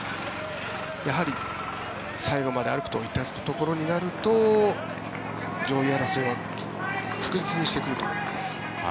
やはり、最後まで歩くというところになると上位争いは確実にしてくると思います。